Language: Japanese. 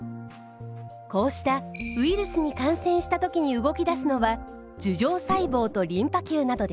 こうしたウイルスに感染した時に動き出すのは樹状細胞とリンパ球などです。